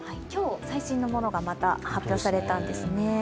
今日、最新のものが発表されたんですね。